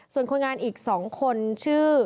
ส่วนคนงานอีก๒คนชื่อ